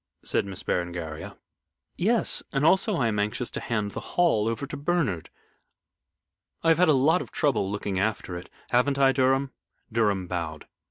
said Miss Berengaria. "Yes. And I am also anxious to hand the Hall over to Bernard. I have had a lot of trouble looking after it. Haven't I, Mr. Durham?" Durham bowed.